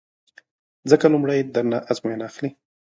ځکه لومړی در نه ازموینه اخلي